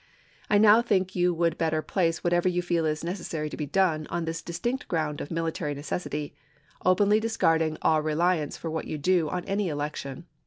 I now think you would bet ter place whatever you feel is necessary to be done on this distinct ground of military necessity, openly discarding all reliance for what you do on any election.